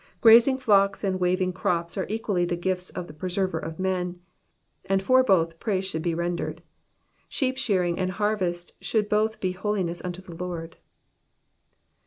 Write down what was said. Grazing flocks and waving ciops are equally the gifts of the Preserver of men, and for both praise should be rendered. 8heep shearing and harvest should both be holiness unto the Lord.